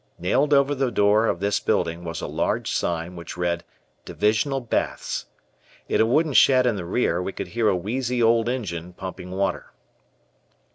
Nailed over the door of this building was a large sign which read "Divisional Baths." In a wooden shed in the rear, we could hear a wheezy old engine pumping water.